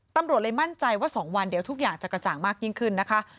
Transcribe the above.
ตำรวจเลยมั่นใจว่า๒วันเดี๋ยวทุกอย่างจะกระจ่างมากยิ่งขึ้นนะคะ